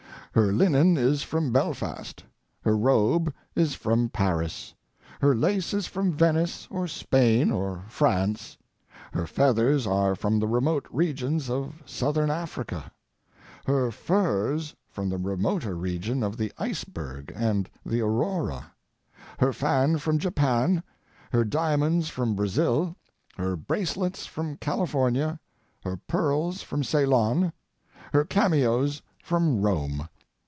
Her linen is from Belfast, her robe is from Paris, her lace is from Venice, or Spain, or France, her feathers are from the remote regions of Southern Africa, her furs from the remoter region of the iceberg and the aurora, her fan from Japan, her diamonds from Brazil, her bracelets from California, her pearls from Ceylon, her cameos from Rome.